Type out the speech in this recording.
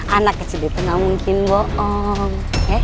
anak kecil itu gak mungkin bohong